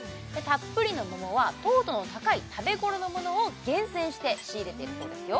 たっぷりの桃は糖度の高い食べ頃のものを厳選して仕入れてるそうですよ